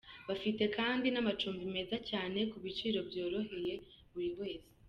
Bafite kandi n'amacumbi meza cyane ku biciro byoroheye buri wese.